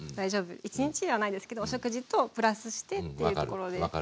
一日じゃないですけどお食事とプラスしてというところで。